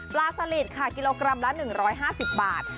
ปลาสลิดกิโลกรัมละ๑๕๐บาท